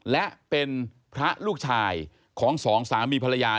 และเป็นพระลูกชายของสองสามีภรรยา